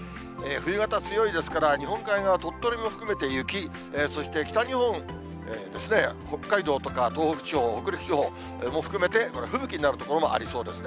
冬型、強いですから、日本海側、鳥取も含めて雪、そして北日本ですね、北海道とか東北地方、北陸地方も含めて、吹雪になる所もありそうですね。